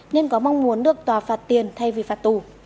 nên có mong muốn được tòa phạt tiền thay vì phạt tù